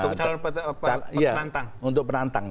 untuk calon penantang